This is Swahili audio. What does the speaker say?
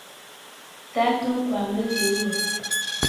tatu kwa mwezi huo